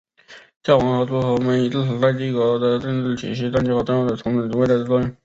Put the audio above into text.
教皇和诸侯们自此在帝国的政治体系中占据了同等重要的位置。